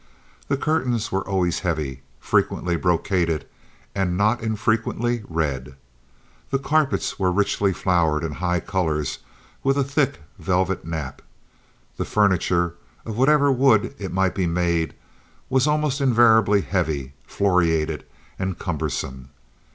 The curtains were always heavy, frequently brocaded, and not infrequently red. The carpets were richly flowered in high colors with a thick, velvet nap. The furniture, of whatever wood it might be made, was almost invariably heavy, floriated, and cumbersome.